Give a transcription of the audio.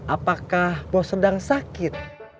apakah bos sedang sakit